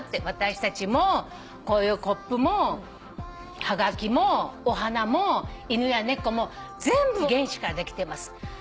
私たちもこういうコップもはがきもお花も犬や猫も全部原子からできてます。